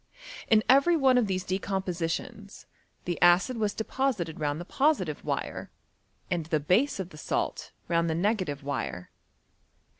In every one of these decompositions, the acid was deposited round the positive wire, and the base of the salt round the negative wire.